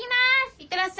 いってらっしゃい！